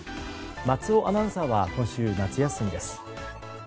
松尾アナウンサーは今週、夏休みです。